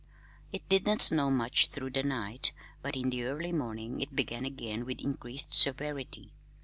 It did not snow much through the night, but in the early morning it began again with increased severity.